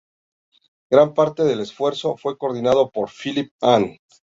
Gran parte del esfuerzo fue coordinado por Philip Ahn.